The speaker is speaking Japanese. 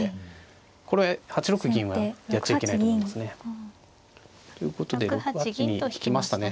これ８六銀はやっちゃいけないと思いますね。ということで６八に引きましたね。